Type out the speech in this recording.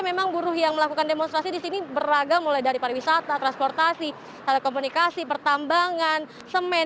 memang buruh yang melakukan demonstrasi di sini beragam mulai dari pariwisata transportasi telekomunikasi pertambangan semen